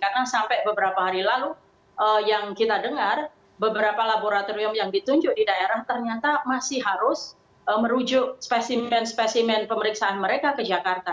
karena sampai beberapa hari lalu yang kita dengar beberapa laboratorium yang ditunjuk di daerah ternyata masih harus merujuk spesimen spesimen pemeriksaan mereka ke jakarta